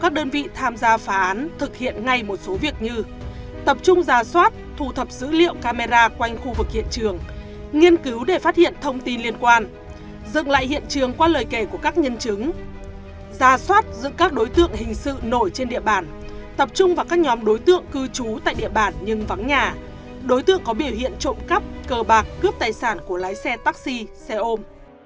các đơn vị tham gia phá án thực hiện ngay một số việc như tập trung ra soát thu thập dữ liệu camera quanh khu vực hiện trường nghiên cứu để phát hiện thông tin liên quan dựng lại hiện trường qua lời kể của các nhân chứng ra soát giữa các đối tượng hình sự nổi trên địa bản tập trung vào các nhóm đối tượng cư trú tại địa bản nhưng vắng nhà đối tượng có biểu hiện trộm cắp cờ bạc cướp tài sản của lái xe taxi xe ôm